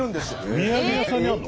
お土産屋さんにあるの？